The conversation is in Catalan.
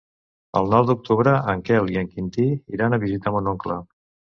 El nou d'octubre en Quel i en Quintí iran a visitar mon oncle.